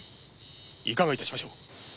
いかが致しましょう。